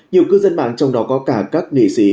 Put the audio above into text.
nhiều cư dân bản trong đó có cả các nghị sĩ